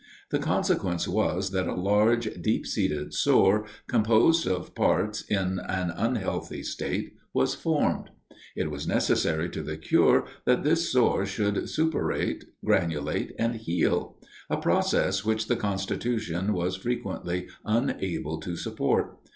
The consequence was, that a large deep seated sore, composed of parts in an unhealthy state, was formed: it was necessary to the cure that this sore should suppurate, granulate, and heal: a process which the constitution was frequently unable to support.